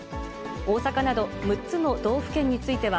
大阪など６つの道府県については、